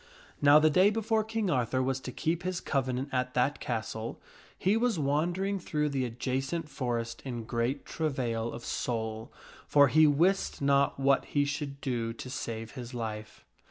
/Now the day before King Arthur was to keep his covenant at that castle, he was wandering through the adjacent forest in great travail of soul, for he wist not what he should do to save his life.